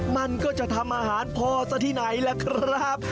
มันก็จะทำอาหารพอซะที่ไหนล่ะครับ